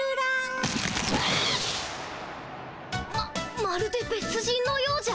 ままるでべつ人のようじゃ。